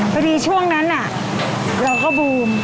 พอดีช่วงนั้นเราก็บูม